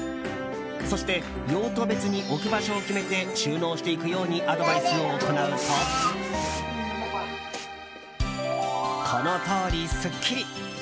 そして用途別に置く場所を決めて収納していくようにアドバイスを行うとこの通り、すっきり。